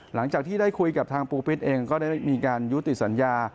หลังจากที่ได้คุยกับทางปูปิ๊ดเองก็ได้มีการยุติสัญญา